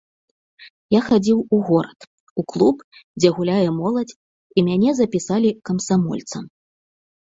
Я хадзіў у горад, у клуб, дзе гуляе моладзь, і мяне запісалі камсамольцам.